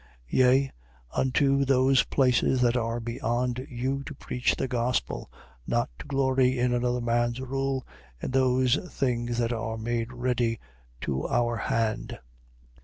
10:16. Yea, unto those places that are beyond you to preach the gospel: not to glory in another man's rule, in those things that are made ready to our hand.